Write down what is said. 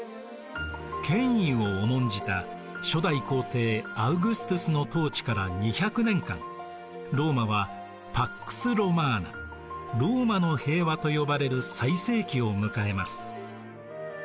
権威を重んじた初代皇帝アウグストゥスの統治から２００年間ローマはパックス・ロマーナローマの平和と呼ばれる最盛期を迎えます。